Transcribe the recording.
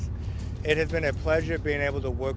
saya senang bisa bekerja bersama mereka